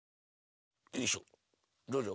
よいしょどうぞ。